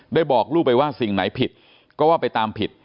บอกลูกไปว่าสิ่งไหนผิดก็ว่าไปตามผิด